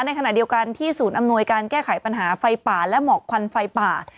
ในขณะเดียวกันที่ศูนย์อำนวยการแก้ไขปัญหาไฟป่าและหมอกควันไฟป่า